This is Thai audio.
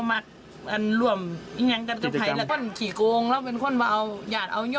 มีเครื่องเสียงด้วย